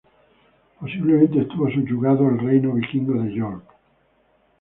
Posiblemente estuvo subyugado a reino vikingo de York.